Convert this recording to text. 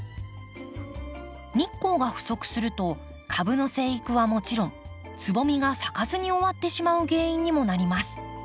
日光が不足すると株の生育はもちろんつぼみが咲かずに終わってしまう原因にもなります。